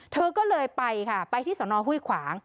เธอก็เลยไปค่ะไปที่สนห้วยขวาง